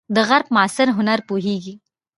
د غرب معاصر هنر پوهیږئ؟